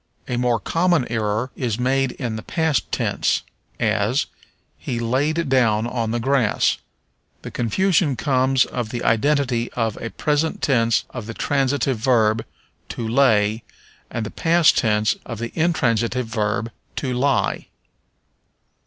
A more common error is made in the past tense, as, "He laid down on the grass." The confusion comes of the identity of a present tense of the transitive verb to lay and the past tense of the intransitive verb to lie.